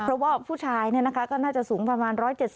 เพราะว่าผู้ชายก็น่าจะสูงประมาณ๑๗๐